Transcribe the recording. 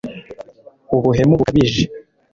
ubuhemu bukabije